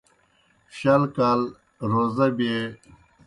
شل کال رزہ بیے گُو گیْ پھوٹون